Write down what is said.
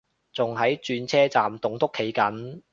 仲喺轉車站棟篤企緊